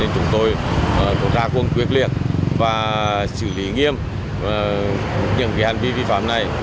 chúng tôi ra quân quyết liệt và xử lý nghiêm những hành vi vi phạm này